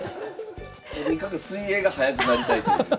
とにかく水泳が速くなりたいという。